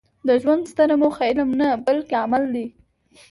د ژوند ستره موخه علم نه؛ بلکي عمل دئ.